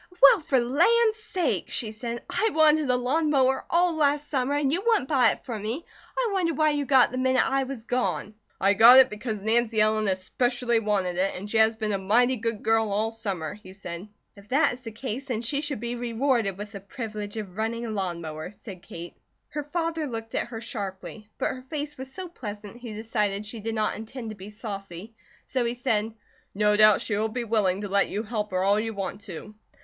"Well, for land's sake!" she said. "I wanted a lawn mower all last summer, and you wouldn't buy it for me. I wonder why you got it the minute I was gone." "I got it because Nancy Ellen especially wanted it, and she has been a mighty good girl all summer," he said. "If that is the case, then she should be rewarded with the privilege of running a lawn mower," said Kate. Her father looked at her sharply; but her face was so pleasant he decided she did not intend to be saucy, so he said: "No doubt she will be willing to let you help her all you want to."